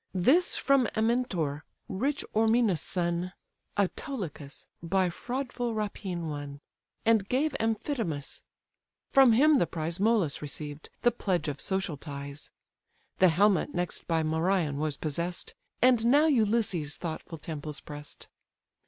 This from Amyntor, rich Ormenus' son, Autolycus by fraudful rapine won, And gave Amphidamas; from him the prize Molus received, the pledge of social ties; The helmet next by Merion was possess'd, And now Ulysses' thoughtful temples press'd.